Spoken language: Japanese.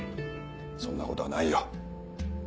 そんなことはないよ。